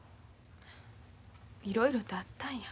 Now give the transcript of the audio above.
いろいろとあったんや。